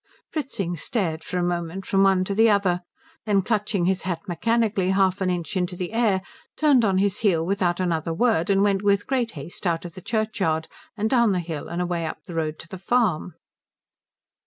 Fritzing stared for a moment from one to the other, then clutching his hat mechanically half an inch into the air turned on his heel without another word and went with great haste out of the churchyard and down the hill and away up the road to the farm.